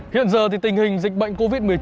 hiện giờ thì tình hình dịch bệnh covid một mươi chín